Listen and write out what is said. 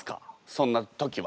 そんな時は。